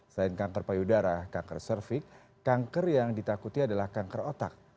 selain kanker payudara kanker cervix kanker yang ditakuti adalah kanker otak